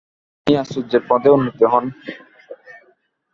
তিনি আচার্য্যের পদে উন্নীত হন।